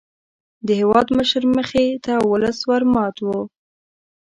د هېوادمشر مخې ته ولس ور مات وو.